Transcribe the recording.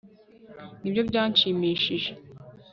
Nibyo byanshimishije